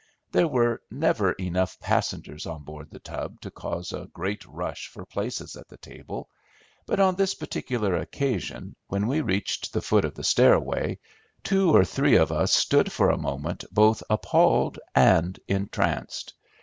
There were never enough passengers on board The Tub to cause a great rush for places at the table; but on this particular occasion, when we reached the foot of the stairway, two or three of us stood for a moment both appalled and entranced.